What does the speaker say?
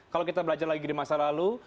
kalau kita belajar lagi di masa lalu